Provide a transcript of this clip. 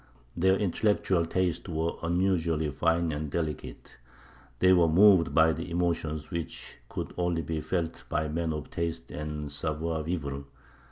Their intellectual tastes were unusually fine and delicate; they were moved by emotions which could only be felt by men of taste and savoir vivre.